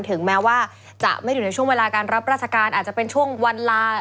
ถึงแม้ว่าจะไม่อยู่ในช่วงเวลาการรับราชการอาจจะเป็นช่วงวันลา